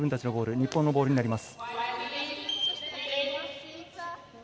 日本のボールになります。